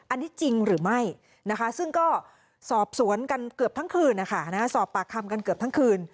อันนี้จริงหรือไม่ซึ่งก็สอบสวนกันเกือบทั้งคืน